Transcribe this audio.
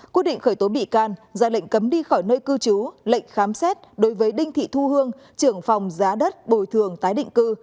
quyết định khởi tố bị can ra lệnh cấm đi khỏi nơi cư trú lệnh khám xét đối với đinh thị thu hương trưởng phòng giá đất bồi thường tái định cư